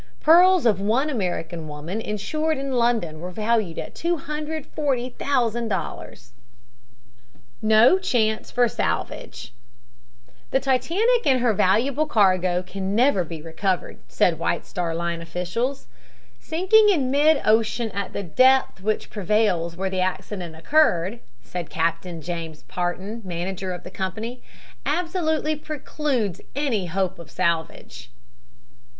Pearls of one American woman insured in London were valued at $240,000. NO CHANCE FOR SALVAGE The Titanic and her valuable cargo can never be recovered, said the White Star Line officials. "Sinking in mid ocean, at the depth which prevails where the accident occurred," said Captain James Parton, manager of the company, "absolutely precludes any hopes of salvage."